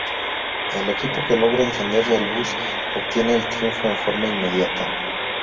El equipo que logra encender el bus obtiene el triunfo en forma inmediata.